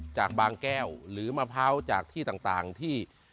จากบางแก้วหรือมะพร้าวจากที่ต่างที่